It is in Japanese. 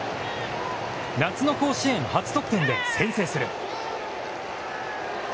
夏の甲子園初得点で先制する。